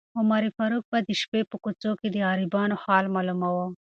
عمر فاروق به د شپې په کوڅو کې د غریبانو حال معلوماوه.